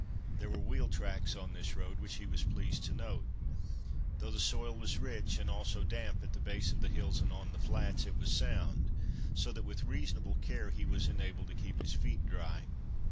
There were wheel tracks on this road, which he was pleased to note. Though the soil was rich, and also damp at the base of the hills and on the flats, it was sound, so that with reasonable care he was enabled to keep his feet dry.